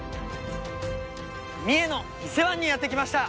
三重の伊勢湾にやって来ました！